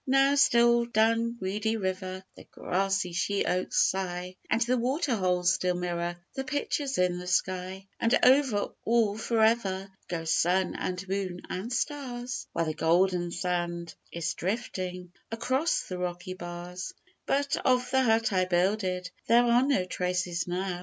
Now still down Reedy River The grassy sheoaks sigh, And the waterholes still mirror The pictures in the sky; And over all for ever Go sun and moon and stars, While the golden sand is drifting Across the rocky bars; But of the hut I builded There are no traces now.